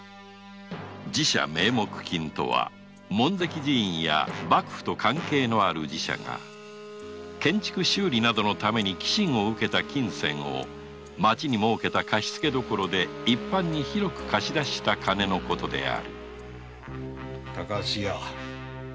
寺社名目金とは門跡寺院や幕府と関係のある寺社が建築修理などのために寄進を受けた金銭を町に設けた貸付所で一般に広く貸し出した金のことである高須屋。